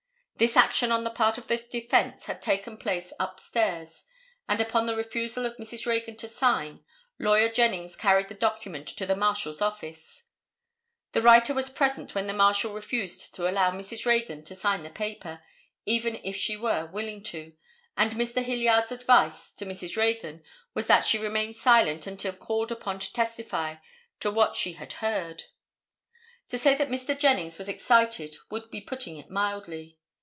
This action on the part of the defense had taken place up stairs; and upon the refusal of Mrs. Reagan to sign, lawyer Jennings carried the document to the Marshal's office. The writer was present when the Marshal refused to allow Mrs. Reagan to sign the paper, even if she were willing to, and Mr. Hilliard's advice to Mrs. Reagan was that she remain silent until called upon to testify to what she had heard. To say that Mr. Jennings was excited would be putting it mildly.